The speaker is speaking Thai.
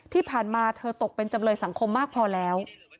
ที่ผ่านมาเธอตกเป็นจำเลยสังคมมากพอแล้ว